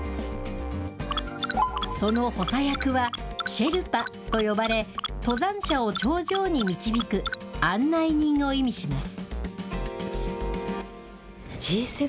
その補佐役はシェルパと呼ばれ、登山者を頂上に導く案内人を意味します。